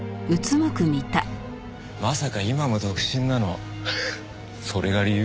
まさか今も独身なのそれが理由？